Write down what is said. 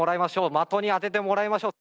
的に当ててもらいましょう。